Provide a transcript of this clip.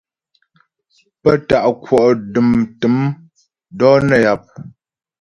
Pə tá'a kwɔ' dəm tə̂m dɔ̌ nə́ yap.